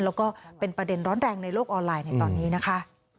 แล้วก็เป็นประเด็นร้อนแรงในโลกออนไลน์ในตอนนี้นะคะ